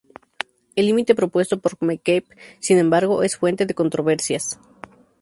El límite propuesto por McCabe sin embargo es fuente de controversias.